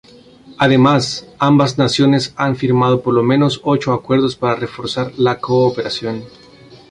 Además, ambas naciones han firmado por lo menos ocho acuerdos para reforzar la cooperación.